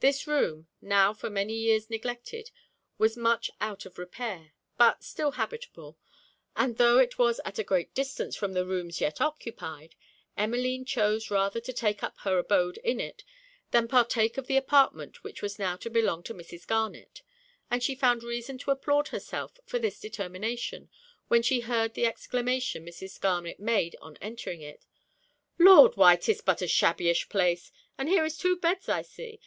This room, now for many years neglected, was much out of repair, but still habitable; and tho' it was at a great distance from the rooms yet occupied, Emmeline chose rather to take up her abode in it, than partake of the apartment which was now to belong to Mrs. Garnet: and she found reason to applaud herself for this determination when she heard the exclamation Mrs. Garnet made on entering it 'Lord! why 'tis but a shabbyish place; and here is two beds I see.